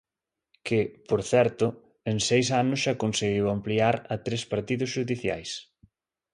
Que, por certo, en seis anos xa conseguiu ampliar a tres partidos xudiciais.